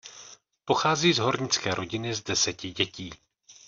Pochází z hornické rodiny z deseti dětí.